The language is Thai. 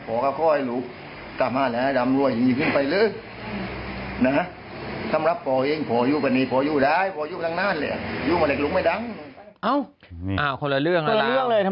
พ่อบอกว่าทางน้องยึดคุณพ่ออย่างเดี๋ยวเท่านั้นว่าคนละเรื่องเลย